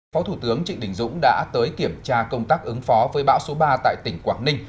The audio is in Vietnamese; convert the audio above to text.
phó thủ tướng trịnh đình dũng đã tới kiểm tra công tác ứng phó với bão số ba tại tỉnh quảng ninh